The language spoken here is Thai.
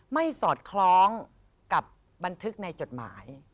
สอดคล้องกับบันทึกในจดหมาย